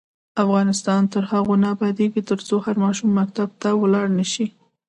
افغانستان تر هغو نه ابادیږي، ترڅو هر ماشوم مکتب ته لاړ نشي.